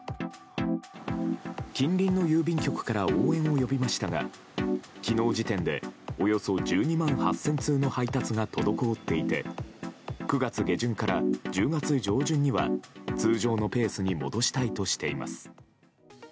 近隣の郵便局から応援を呼びましたが昨日時点でおよそ１２万８０００通の配達が滞っていて９月下旬から１０月上旬には通常のペースに戻したいとしています。